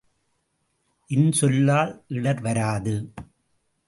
இன்சொல்லால் இடர் வராது.